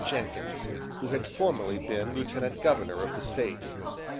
Jenkins, who had formerly been lieutenant governor of the State.